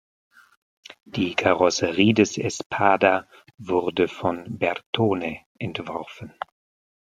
Die Karosserie des Espada wurde von Bertone entworfen.